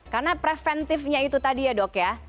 karena preventifnya itu tadi ya dok ya